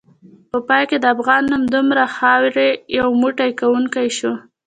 په پای کې د افغان نوم دومره حاوي، یو موټی کونکی شو